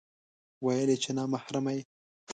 ويل يې چې نا محرمه يې